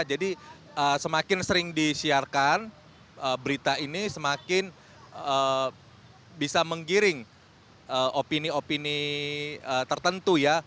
jadi semakin sering disiarkan berita ini semakin bisa menggiring opini opini tertentu ya